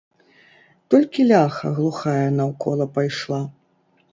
Толькі ляха глухая наўкола пайшла.